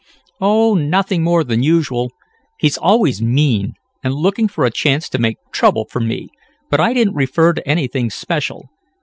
"Oh, nothing more than usual. He's always mean, and looking for a chance to make trouble for me, but I didn't refer to anything special.